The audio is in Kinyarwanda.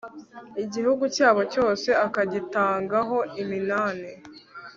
igihugu cyabo cyose akagitangaho iminani